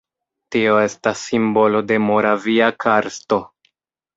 Tio estas simbolo de Moravia karsto.